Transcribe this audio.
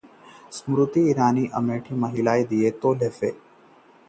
स्मृति ईरानी ने अमेठी में लेखपालों को बांटे लैपटॉप, महिलाओं को दिए तोहफे